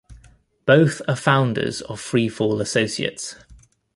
Both are founders of Free Fall Associates.